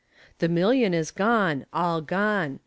"The million is gone all gone.